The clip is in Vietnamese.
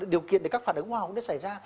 điều kiện để các phản ứng hoa hồng nó xảy ra